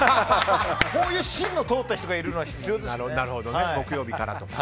こういう芯の通った人がいるのは必要ですね。